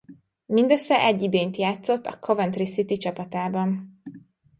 Mindössze egy idényt játszott a Coventry City csapatában.